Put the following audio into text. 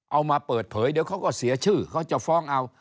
เอามาเปิดเผยเดี๋ยวเขาก็เสียชื่อเขาจะฟ้องเอา